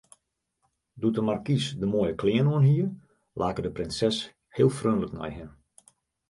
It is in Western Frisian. Doe't de markys de moaie klean oanhie, lake de prinses heel freonlik nei him.